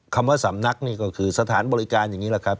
คำว่าสำนักนี่ก็คือสถานบริการอย่างนี้แหละครับ